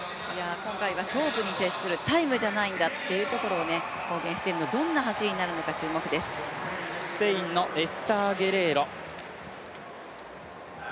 今回は勝負に徹する、タイムじゃないんだということを公言しているのでスペインのエスター・ゲレーロ。